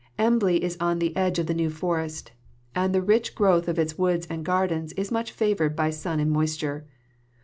Embley is on the edge of the New Forest, and the rich growth of its woods and gardens is much favoured by sun and moisture.